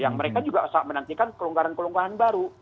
yang mereka juga menantikan pelonggaran pelonggaran baru